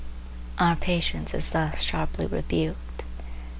Our impatience is thus sharply rebuked.